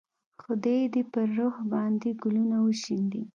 خدای دې یې پر روح باندې ګلونه وشیندي.